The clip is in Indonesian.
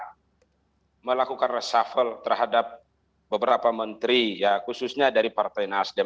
saya ingin segera melakukan resafel terhadap beberapa menteri khususnya dari partai nasdem